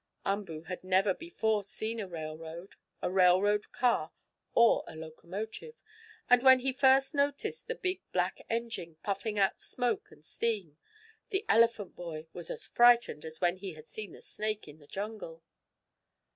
Umboo had never before seen a railroad, a railroad car or a locomotive, and when he first noticed the big, black engine, puffing out smoke and steam, the elephant boy was as frightened as when he had seen the snake in the jungle.